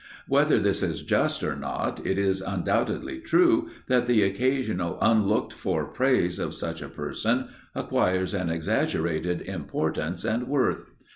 Whether this is just or not, it is undoubtedly true that the occasional unlooked for praise of such a person acquires an exaggerated importance and worth.